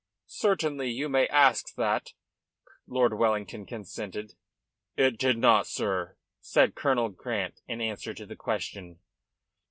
"Certainly you may ask that," Lord Wellington, consented. "It did not, sir," said Colonel Grant in answer to the question.